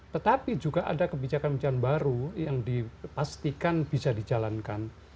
tetapi juga ada kebijakan kebijakan baru yang dipastikan bisa dijalankan